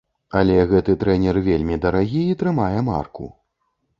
Але гэты трэнер вельмі дарагі і трымае марку.